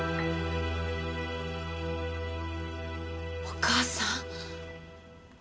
お義母さん。